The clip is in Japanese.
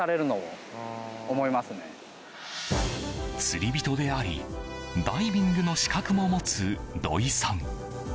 釣り人であり、ダイビングの資格も持つ土井さん。